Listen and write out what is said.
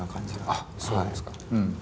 あっそうですか。